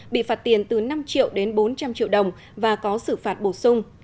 bị phạt tiền từ năm triệu đến bốn trăm linh triệu đồng và có xử phạt bổ sung